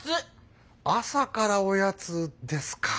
朝からおやつですか？